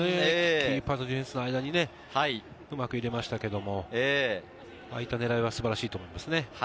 キーパーとディフェンスの間にね、うまく入れましたけれども、ああいった狙いは素晴らしいと思いますね。